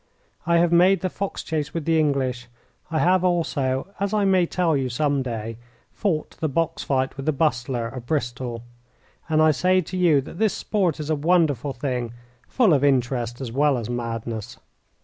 I have made the fox chase with the English. I have also, as I may tell you some day, fought the box fight with the Bustler, of Bristol. And I say to you that this sport is a wonderful thing full of interest as well as madness.